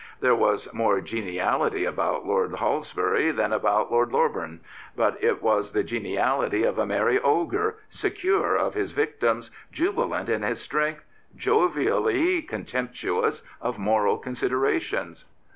There was more geniality about Lord Halsbury than about Lord Loreburn. But it was the geniality of a merry ogre, secure of his victims, jubilant in his strength, jovially contemptuous of moral considera tions.